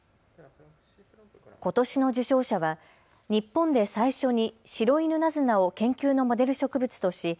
ことしの受賞者は日本で最初にシロイヌナズナを研究のモデル植物とし